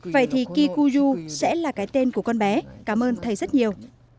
vậy thì kikuju sẽ là cái tên của con bé cảm ơn thầy rất nhiều